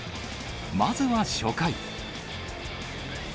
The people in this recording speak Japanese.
まずは初回。